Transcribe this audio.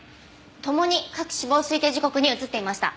ともに各死亡推定時刻に映っていました。